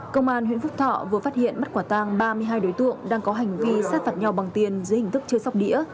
công an huyện phúc thọ vừa phát hiện bắt quả tang ba mươi hai đối tượng đang có hành vi sát phạt nhau bằng tiền dưới hình thức chơi sóc đĩa